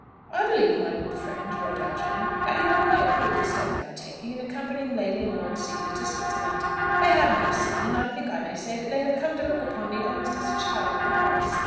"I believe, my good friend," wrote Algernon, "that you will quite approve the step I am taking, in accompanying Lord and Lady Seely to Switzerland. They have no son, and I think I may say that they have come to look upon me almost as a child of the house.